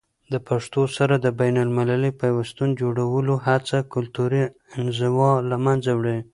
د پښتو سره د بینالمللي پیوستون جوړولو هڅه کلتوري انزوا له منځه وړي.